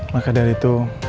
maka dari itu